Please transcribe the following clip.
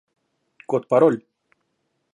Код-пароль